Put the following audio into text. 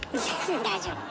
大丈夫。